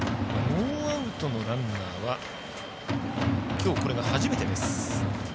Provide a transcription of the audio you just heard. ノーアウトのランナーはきょう、これが初めてです。